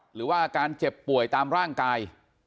หรือว่าอาการเจ็บป่วยตามร่างกาย